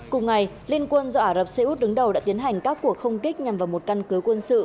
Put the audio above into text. cùng ngày liên quân do ả rập xê út đứng đầu đã tiến hành các cuộc không kích nhằm vào một căn cứ quân sự